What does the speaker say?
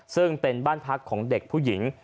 ซึ่งเป็นบ้านพักของเด็กผู้หญิง